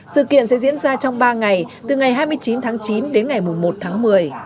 sự kiện sẽ diễn ra trong ba ngày từ ngày hai mươi chín tháng chín đến ngày một tháng một mươi